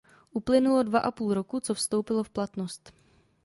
Uplynulo dva a půl roku, co vstoupilo v platnost.